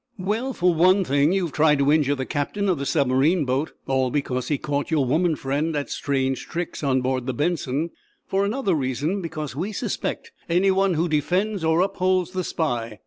"Well, for one thing, you've tried to injure the captain of the submarine boat, all because he caught your woman friend at strange tricks on board the 'Benson.' For another reason, because we suspect anyone who defends or upholds the spy.